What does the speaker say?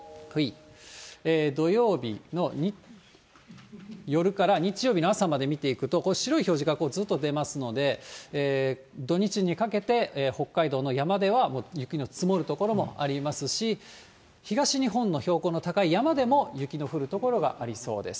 土曜日の夜から日曜日の朝まで見ていくと、これ、白い表示がずっと出ますので、土日にかけて北海道の山ではもう雪の積もる所もありますし、東日本の標高の高い山でも雪の降る所がありそうです。